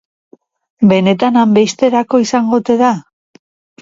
Benetan hainbesterako izango ote da?